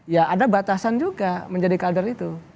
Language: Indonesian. ya ada batasan juga menjadi kader itu